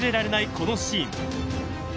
このシーン。